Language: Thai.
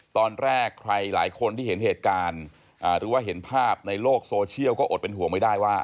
ตอนแรกใครหลายคนที่เห็นเหตุการณ์หรือว่าเห็นภาพในโลกโซเชียลก็อดเป็นห่วงไม่ได้ว่า